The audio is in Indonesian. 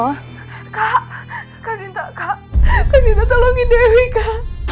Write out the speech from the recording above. kak kasih tak kak kasih tak tolongin dewi kak